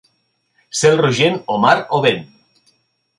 Cel rogent, o mar o vent.